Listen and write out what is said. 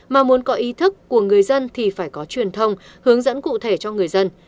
mà muốn có ý thức của người dân thì phải có truyền thông hướng dẫn cụ thể cho người dân